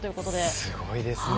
すごいですね。